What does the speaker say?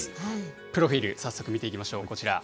プロフィール、早速見ていきましょう、こちら。